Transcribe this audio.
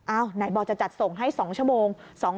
ไหนบอกจะจัดส่งให้๒ชั่วโมง